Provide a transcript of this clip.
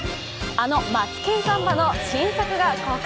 あの「マツケンサンバ」の新作が公開。